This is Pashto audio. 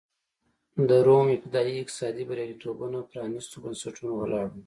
د روم ابتدايي اقتصادي بریالیتوبونه پرانېستو بنسټونو ولاړ و.